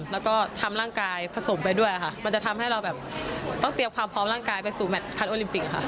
แล้วก็ทำร่างกายผสมไปด้วยค่ะมันจะทำให้เราต้องเตรียมความพร้อมโรงพยาบาล